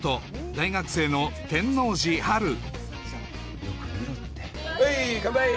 大学生の天王寺陽よく見ろってはいカンパイ！